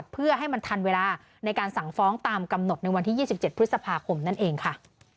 เพื่อให้มันทันเวลาในการสั่งฟ้องตามกำหนดในวันที่๒๗พฤษภาคมนั่นเองค่ะ